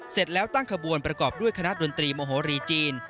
เสร็จแล้วตั้งขบวนประกอบด้วยคณะดนตรีมโหรีจีน